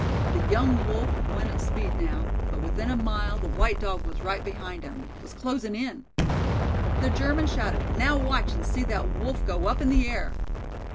The young Wolf went at speed now, but within a mile the white Dog was right behind him was closing in. The German shouted: "Now watch and see that Wolf go up in the air."